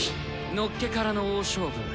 のっけからの大勝負。